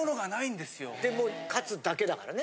でもうカツだけだからね。